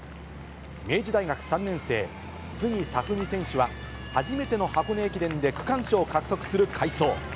明治大学３年生、杉彩文海選手は、初めての箱根駅伝で区間賞を獲得する快走。